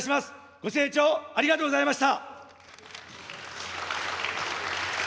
ご清聴ありがとうございました。